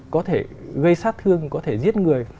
có thể gây sát thương có thể giết người